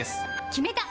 決めた！